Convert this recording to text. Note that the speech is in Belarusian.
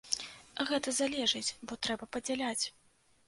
Гэта залежыць, бо трэба падзяляць.